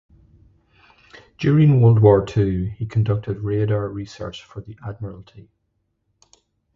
During World War Two he conducted Radar research for the Admiralty.